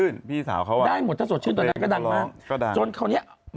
อยากกันเยี่ยม